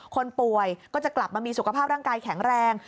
คนป่วยก็จะกลับมามีสุขภาพร่างกายแข็งแรง